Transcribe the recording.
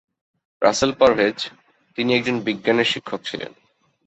রাসেল পারভেজ, তিনি একজন বিজ্ঞানের শিক্ষক ছিলেন।